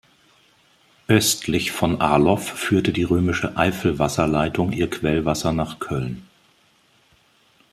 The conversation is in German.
Östlich von Arloff führte die römische Eifelwasserleitung ihr Quellwasser nach Köln.